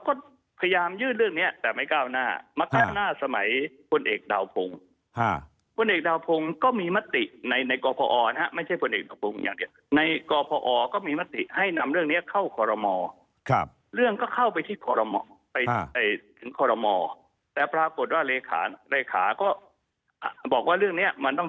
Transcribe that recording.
ก็พยายามยื่นเรื่องเนี้ยแต่ไม่ก้าวหน้ามาก้าวหน้าสมัยพลเอกดาวพงศ์พลเอกดาวพงศ์ก็มีมติในในกรพอนะฮะไม่ใช่พลเอกประพงศ์อย่างเดียวในกรพอก็มีมติให้นำเรื่องนี้เข้าคอรมอครับเรื่องก็เข้าไปที่คอรมอไปถึงคอรมอแต่ปรากฏว่าเลขาก็บอกว่าเรื่องเนี้ยมันต้อง